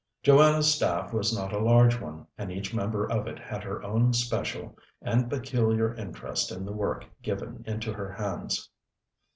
Joanna's staff was not a large one, and each member of it had her own special and peculiar interest in the work given into her hands.